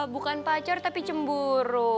bukan pacar tapi cemburu